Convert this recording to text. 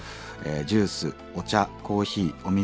ジュースお茶コーヒーお水